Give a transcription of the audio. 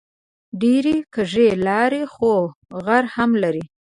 ډېرې کږې لارې خو غر هم لري